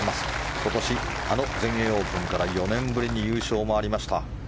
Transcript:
今年、あの全英オープンから４年ぶりに優勝もありました。